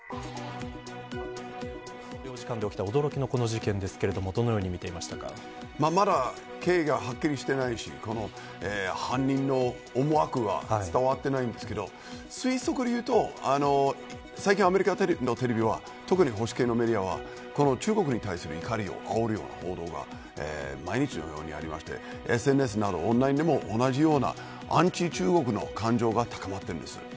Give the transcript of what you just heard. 総領事館で起きた驚きの事件ですがまだ経緯がはっきりしていないし犯人の思惑は伝わっていないんですが推測で言うと最近、アメリカのテレビは特に、保守系のメディアは中国に対する怒りを煽るような報道を毎日のようにやっていてＳＮＳなどのオンラインでもアンチ中国の感情が高まっています。